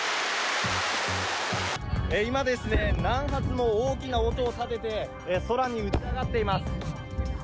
今、大きな音を立てて空に撃ち上がっています。